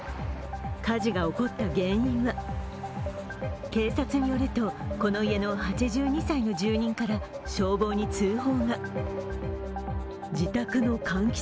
火事が起こった原因は、警察によるとこの家の８２歳の住人から消防に通報が。